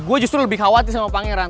gue justru lebih khawatir sama pangeran